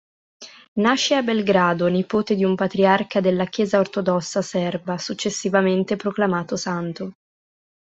Nasce a Belgrado, nipote di un patriarca della chiesa ortodossa serba, successivamente proclamato santo.